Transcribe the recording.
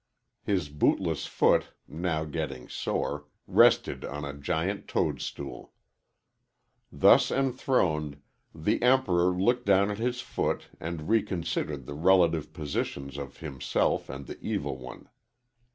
His bootless foot, now getting sore, rested on a giant toadstool. Thus enthroned, the Emperor looked down at his foot and reconsidered the relative positions of himself and the Evil One.